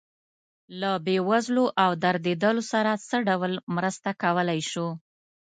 له بې وزلو او دردېدلو سره څه ډول مرسته کولی شو.